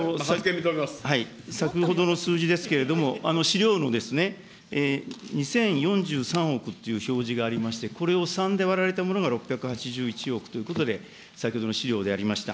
先ほどの数字ですけれども、資料の２０４３億っていう表示がありまして、これを３で割られたものが６８１億ということで、先ほどの資料でありました。